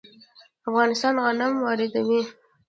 افغانستان غنم واردوي.